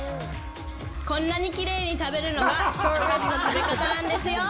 こんなにきれいに食べるのがショートリブの食べ方なんですよ。